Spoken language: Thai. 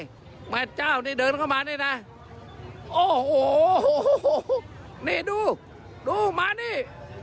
โอ้เฮ้ยเจ้านี่เดินเข้ามานี่นะโอ้โหนี่ดูมานี่